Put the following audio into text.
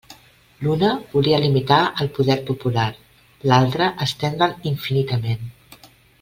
L'una volia limitar el poder popular, l'altra estendre'l infinitament.